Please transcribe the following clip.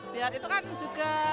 biar itu kan juga